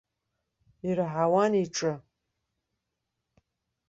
Ираҳауан иҿы.